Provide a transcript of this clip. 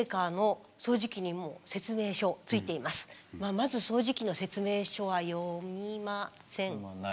まず掃除機の説明書は読みませんか？